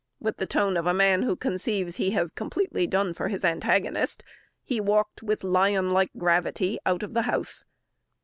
with the tone of a man who conceives he has completely done for his antagonist, he walked with lion like gravity out of the house.